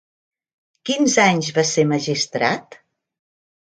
Quins anys va ser magistrat?